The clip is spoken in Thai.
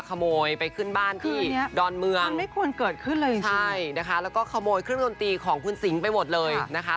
ขโมยไปขึ้นบ้านที่ดอนเมืองใช่นะคะแล้วก็ขโมยเครื่องดนตรีของคุณสิงค์ไปหมดเลยนะคะ